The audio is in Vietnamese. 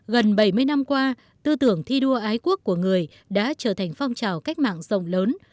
gần bảy mươi năm qua tư tưởng thi đua ái quốc của người đã trở thành phong trào cách mạng rộng lớn